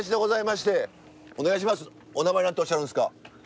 お名前何とおっしゃるんですか？